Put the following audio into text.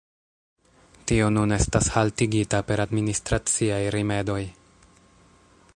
Tio nun estas haltigita per administraciaj rimedoj.